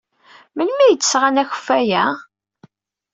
Melmi ay d-sɣan akeffay-a?